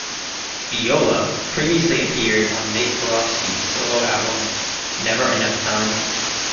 "Viola" previously appeared on Nate Borofsky's solo album, "Never Enough Time".